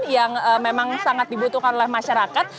yang memang sangat dibutuhkan oleh masyarakat